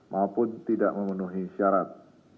maupun tidak memenuhi syarat